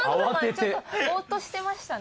ちょっとボーッとしてましたね。